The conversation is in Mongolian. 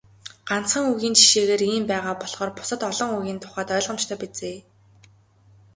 Ганцхан үгийн жишээгээр ийм байгаа болохоор бусад олон үгийн тухайд ойлгомжтой биз ээ.